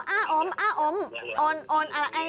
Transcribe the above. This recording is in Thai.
อ้าโอมโอนเงยัง